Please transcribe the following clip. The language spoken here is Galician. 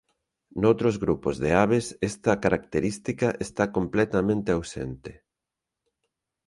Noutros grupos de aves esta característica está completamente ausente.